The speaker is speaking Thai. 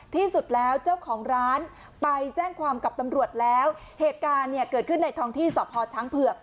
ที่สุดแล้วเจ้าของร้านไปแจ้งความกับตำรวจแล้วเหตุการณ์เนี่ยเกิดขึ้นในท้องที่สพช้างเผือก